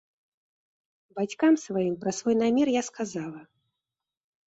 Бацькам сваім пра свой намер я сказала.